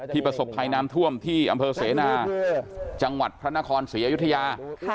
ประสบภัยน้ำท่วมที่อำเภอเสนาจังหวัดพระนครศรีอยุธยา